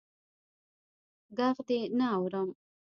ږغ دي نه اورم.